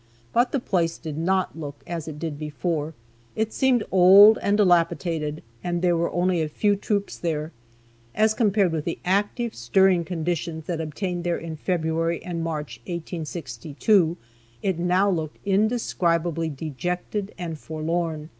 But the place did not look as it did before. It seemed old and dilapidated and there were only a few troops there. As compared with the active, stirring conditions that obtained there in February and March, 1862, it now looked indescribably dejected and forlorn.